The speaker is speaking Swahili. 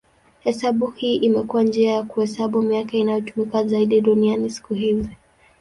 Hesabu hii imekuwa njia ya kuhesabu miaka inayotumika zaidi duniani siku hizi.